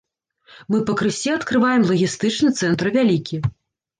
Мы пакрысе адкрываем лагістычны цэнтр вялікі.